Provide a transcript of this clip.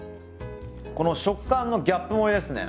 この食感のギャップ萌えですね。